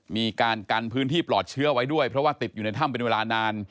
มีการกันพื้นที่ปลอดเชื้อไว้ด้วยเพราะว่าติดอยู่ในถ้ำเป็นเวลานาน